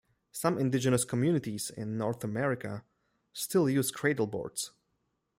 Some indigenous communities in North America still use cradleboards.